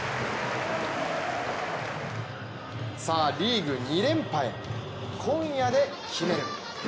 さあ、リーグ２連覇へ今夜で決める。